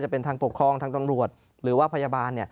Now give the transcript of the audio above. เป็นทางปกครองทางตำรวจหรือว่าพยาบาล